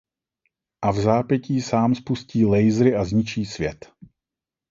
A vzápětí sám spustí lasery a zničí svět.